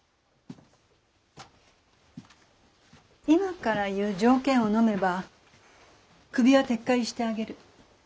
今から言う条件をのめばクビは撤回してあげる。